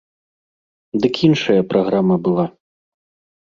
Дык іншая праграма была.